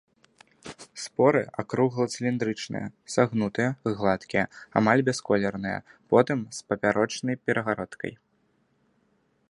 Споры акругла-цыліндрычныя, сагнутыя, гладкія, амаль бясколерныя, потым з папярочнай перагародкай.